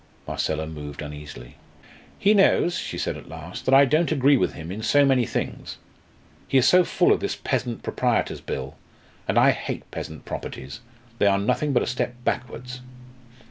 Marcella moved uneasily. "He knows," she said at last, "that I don't agree with him in so many things. He is so full of this Peasant Proprietors Bill. And I hate peasant properties. They are nothing but a step backwards."